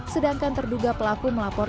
sedangkan terduga pelaku penganiayaan